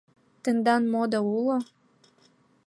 — Тендан мода уло?